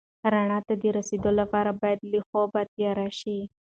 رڼا ته د رسېدو لپاره باید له خوبه تېر شې.